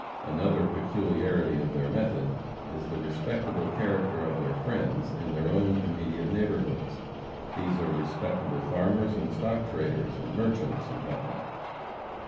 Another peculiarity of their method is the respectable character of their friends in their own immediate neighborhoods. These are respectable farmers and stock traders, and merchants and what not.